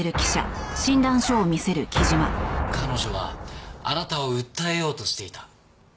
彼女はあなたを訴えようとしていた。